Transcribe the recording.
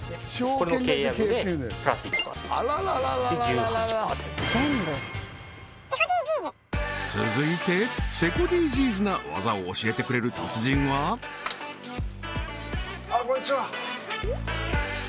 これの契約で＋１％で１８％続いてセコＤＧｓな技を教えてくれる達人はあっこんにちは